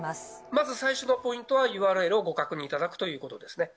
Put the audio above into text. まず最初のポイントはＵＲＬをご確認いただくということですね。